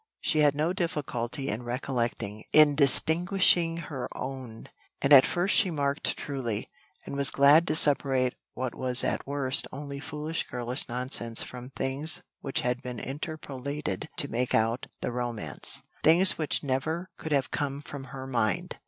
She had no difficulty in recollecting, in distinguishing her own; and at first she marked truly, and was glad to separate what was at worst only foolish girlish nonsense from things which had been interpolated to make out the romance; things which never could have come from her mind.